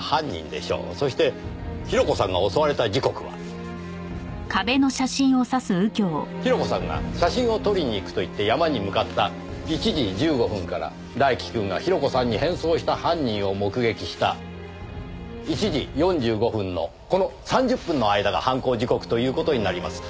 そして広子さんが襲われた時刻は広子さんが写真を撮りに行くと言って山に向かった１時１５分から大輝くんが広子さんに変装した犯人を目撃した１時４５分のこの３０分の間が犯行時刻という事になります。